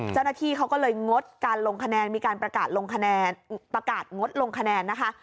เจ้าหน้าที่เขาก็เลยงดการลงคะแนนมีการประกาศลงคะแนน